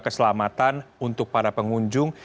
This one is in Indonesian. keselamatan untuk para pengunjung